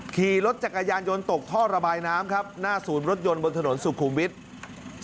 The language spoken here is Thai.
ขี่รถจักรยานยนต์ตกท่อระบายน้ำครับหน้าศูนย์รถยนต์บนถนนสุขุมวิทย์